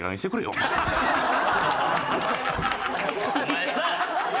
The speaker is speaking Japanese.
お前さ！